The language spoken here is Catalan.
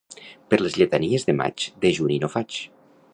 Per les lletanies de maig dejuni no faig.